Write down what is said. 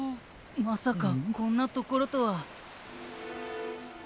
まさかこんなところとは。